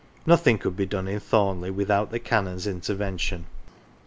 Nothing could be done in Thornleigh without the Canon's intervention.